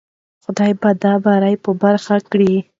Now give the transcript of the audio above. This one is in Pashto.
خدای به دی بریا په برخه کړی